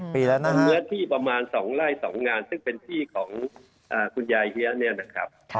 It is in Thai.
เนื้อที่ประมาณ๒ไร่๒งานซึ่งเป็นที่ของคุณยายเฮียเนี่ยนะครับ